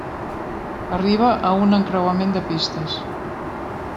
Arriba a un encreuament de pistes.